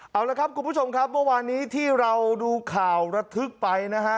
เอาละครับคุณผู้ชมครับเมื่อวานนี้ที่เราดูข่าวระทึกไปนะฮะ